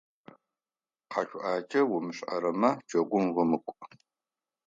Къэшъуакӏэ умышӏэрэмэ, джэгум умыкӏу.